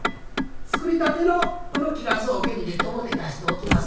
作りたてのこのきらずを桶に入れて表へ出しておきます。